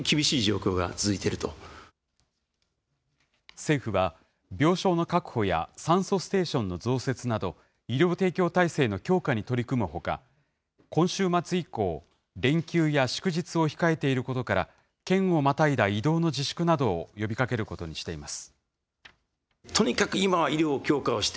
政府は、病床の確保や酸素ステーションの増設など、医療提供体制の強化に取り組むほか、今週末以降、連休や祝日を控えていることから、県をまたいだ移動の自粛などを呼びかけることにしています。